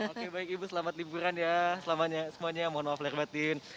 oke baik ibu selamat liburan ya semuanya mohon maaf lahir batin